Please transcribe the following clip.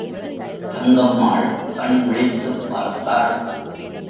தங்கம்மாள் கண் விழித்துப் பார்த்தாள்.